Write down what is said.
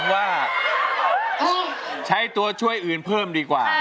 ว่าใช้ตัวช่วยอื่นเพิ่มดีกว่า